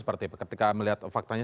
seperti ketika melihat faktanya